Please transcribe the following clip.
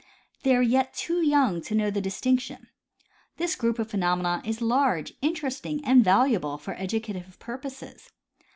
They are yet too young to know the distinction. This group of phenomena is large, interesting and valuable for edu cative purposes.